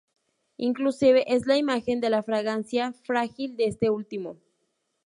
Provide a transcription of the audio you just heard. Inclusive es la imagen de la fragancia Fragile de este último.